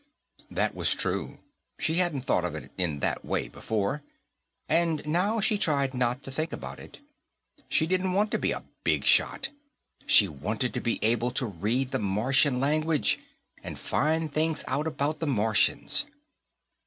That was true. She hadn't thought of it, in that way, before, and now she tried not to think about it. She didn't want to be a big shot. She wanted to be able to read the Martian language, and find things out about the Martians.